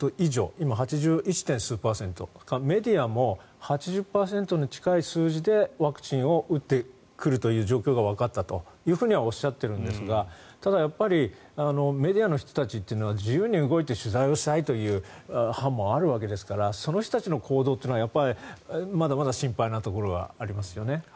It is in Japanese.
今、８１点数パーセントメディアも８０％に近い数字でワクチンを打ってくるという状況がわかったとおっしゃっているんですがただ、やっぱりメディアの人たちというのは自由に動いて取材をしたい班もあるわけですからその人たちの行動はまだまだ心配なところはありますね。